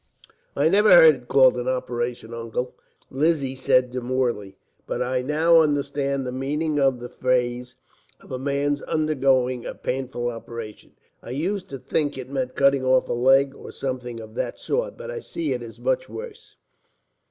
"I never heard it called an operation, Uncle," Lizzie said demurely; "but I now understand the meaning of the phrase of a man's undergoing a painful operation. I used to think it meant cutting off a leg, or something of that sort, but I see it's much worse."